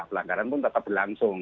pelanggaran pun tetap berlangsung